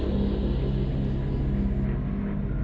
ada orang di dalam